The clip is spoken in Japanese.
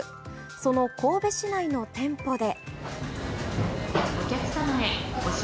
その神戸市内の店舗で。